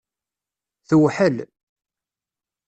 Tewḥel.